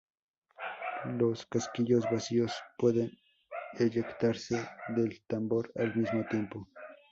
Los casquillos vacíos pueden eyectarse del tambor al mismo tiempo.